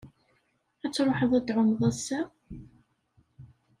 Ad truḥeḍ ad tɛummeḍ ass-a?